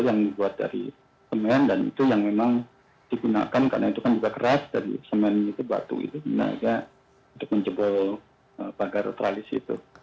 yang dibuat dari semen dan itu yang memang digunakan karena itu kan juga keras dan semen itu batu itu sebenarnya untuk menjebol pagar tralis itu